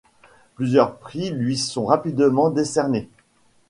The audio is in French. Plusieurs prix lui sont rapidement décernés.